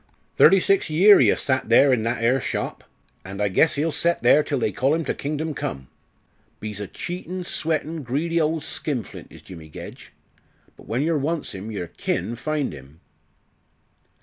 _ Thirty six year ee ha' set there in that 'ere shop, and I guess ee'll set there till they call 'im ter kingdom come. Be's a cheatin', sweatin', greedy old skinflint is Jimmy Gedge; but when yer wants 'im yer kin find 'im."